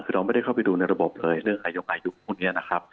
คือเราไม่ได้เข้าไปดูในระบบเลยเรื่องนายกอายุพวกนี้นะครับ